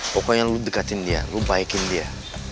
pokoknya lo dekatin dia lo baikin dia